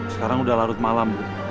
sekarang udah larut malam